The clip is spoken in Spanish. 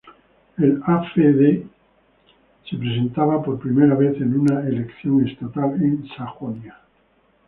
El AfD se presentaba por primera vez en una elección estatal en Sajonia.